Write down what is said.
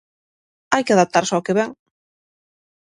Hai que adaptarse ao que vén.